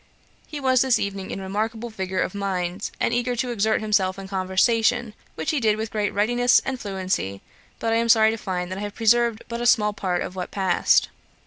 He was this evening in remarkable vigour of mind, and eager to exert himself in conversation, which he did with great readiness and fluency; but I am sorry to find that I have preserved but a small part of what passed.